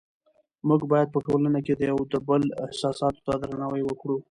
موږ باید په ټولنه کې د یو بل احساساتو ته درناوی وکړو